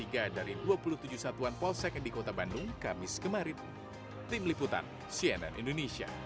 dua puluh tujuh satuan polsek yang di kota bandung kamis kemarin